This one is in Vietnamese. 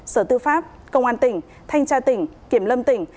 sở tư pháp công an tỉnh thanh tra tỉnh kiểm lâm tỉnh